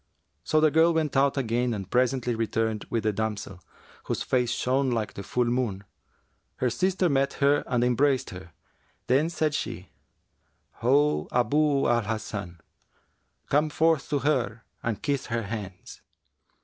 So the girl went out again and presently returned with the damsel, whose face shone like the full moon. Her sister met her and embraced her; then said she, 'Ho, Abu al Hasan, come forth to her and kiss her hands!'